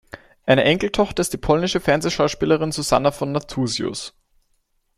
Eine Enkeltochter ist die polnische Fernsehschauspielerin Suzanna von Nathusius.